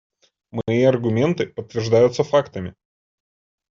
Мои аргументы подтверждаются фактами.